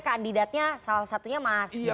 kandidatnya salah satunya mas